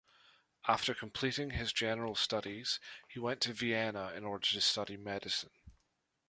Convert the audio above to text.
After completing his general studies he went to Vienna in order to study medicine.